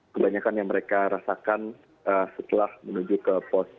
kebanyakan yang mereka rasakan setelah menuju ke pos